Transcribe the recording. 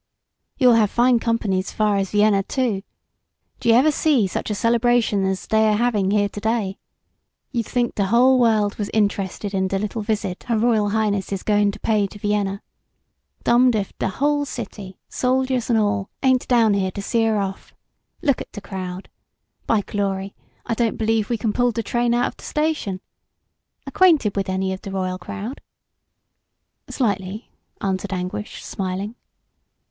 "You'll have fine company 's fer as Vienna, too. D' you ever see such a celebration's dey're havin' here to day? You'd t'ink d' whole world was interested in d' little visit Her Royal Highness is goin' to pay to Vienna. Dummed if d' whole city, soldiers an' all, ain't down here to see 'er off. Look at d' crowd! By glory, I don't b'lieve we c'n pull d' train out of d' station. 'Quainted wid any of d' royal crowd?" "Slightly," answered Anguish, smiling.